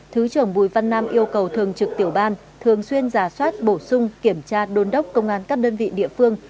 thứ trưởng bùi văn nam yêu cầu thường trực tiểu ban thường xuyên giả soát bổ sung kiểm tra đôn đốc công an các đơn vị địa phương